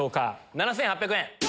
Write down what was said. ７８００円。